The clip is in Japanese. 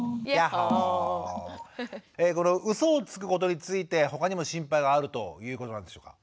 このうそをつくことについて他にも心配があるということなんでしょうか？